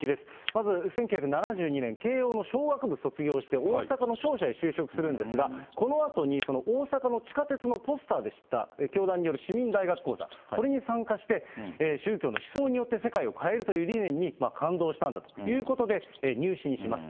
まず１９７２年、慶應の商学部卒業して、大阪の商社に就職するんですが、このあとに大阪の地下鉄のポスターで知った教団による市民大学講座、これに参加して、宗教の思想によって世界を変えるという理念に感動したんだということで、入信します。